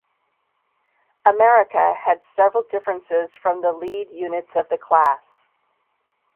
"America" had several differences from the lead units of the class.